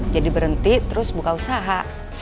jadi berhenti terus buka usaha